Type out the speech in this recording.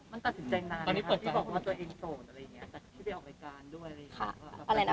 มันตัดสินใจนานไหมค่ะที่บอกว่าจะอินโฟนอะไรอย่างนี้